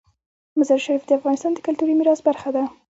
مزارشریف د افغانستان د کلتوري میراث برخه ده.